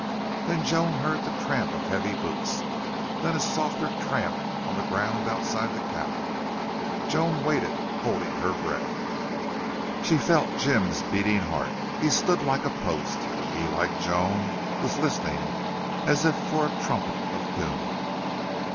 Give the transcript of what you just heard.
Then Joan heard the tramp of heavy boots, then a softer tramp on the ground outside the cabin. Joan waited, holding her breath. She felt Jim's heart beating. He stood like a post. He, like Joan, was listening, as if for a trumpet of doom.